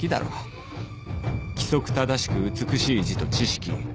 規則正しく美しい字と知識。